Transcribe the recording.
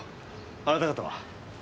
あなた方は？